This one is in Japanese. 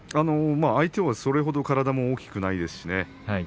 相手は、それほど体も大きくないですしね。